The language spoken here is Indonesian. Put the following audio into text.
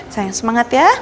sayang semangat ya